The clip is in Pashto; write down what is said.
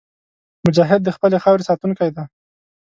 مجاهد د خپلې خاورې ساتونکی دی.